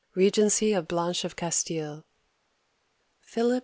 REGENCY OF BLANCHE OF CASTILE PHILIP II.